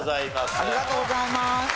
ありがとうございます。